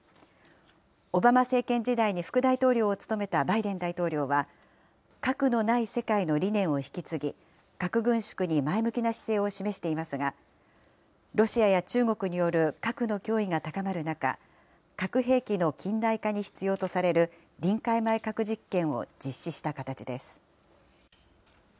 オバマ政権時代に副大統領を務めたバイデン大統領は、核のない世界の理念を引き継ぎ、核軍縮に前向きな姿勢を示していますが、ロシアや中国による核の脅威が高まる中、核兵器の近代化に必要とされる、臨界前核実験を実施した形です。